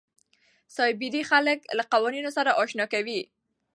سایبري نړۍ خلک له قوانینو سره اشنا کوي.